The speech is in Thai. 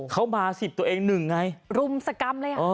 เขามาสิบตัวเองหนึ่งไงรุมสกรรมเลย